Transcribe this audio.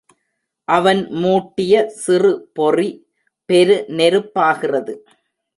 அவன் மூட்டிய சிறு பொறி பெரு நெருப்பாகிறது.